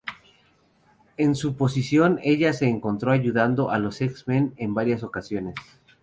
En su posición, ella se encontró ayudando a los X-Men en varias ocasiones.